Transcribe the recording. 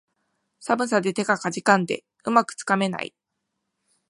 寒さで手がかじかんで、うまくつかめない